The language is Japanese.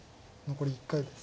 残り１回です。